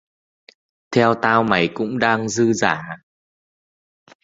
Theo tao mày cũng đang dư dả